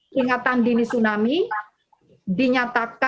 peringatan dini tsunami dinyatakan telah berakhir